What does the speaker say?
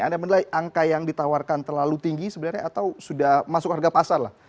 anda menilai angka yang ditawarkan terlalu tinggi sebenarnya atau sudah masuk harga pasar lah